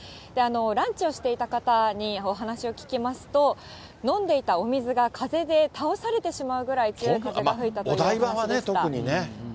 ランチをしていた方にお話を聞きますと、飲んでいたお水が風で倒されてしまうぐらい強い風が吹いたという話でした。